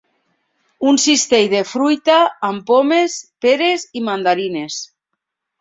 Un cistell de fruita, amb pomes, peres i mandarines.